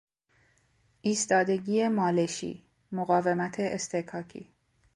ایستادگی مالشی، مقاومت اصطکاکی